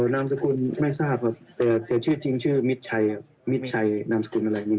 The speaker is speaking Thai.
นามสกุลไม่ทราบครับแต่ชื่อจริงชื่อมิดชัยมิดชัยนามสกุลอะไรนี่